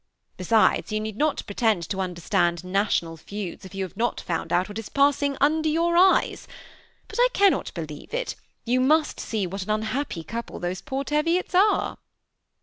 Besides, you need not pretend to understand national feuds if you have not found out what is passing under your eyes ; but I can not believe it, you must see what an unhappy couple these poor Teviots are."